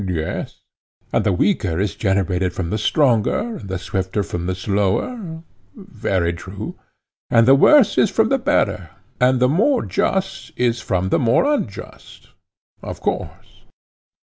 Yes. And the weaker is generated from the stronger, and the swifter from the slower. Very true. And the worse is from the better, and the more just is from the more unjust. Of course.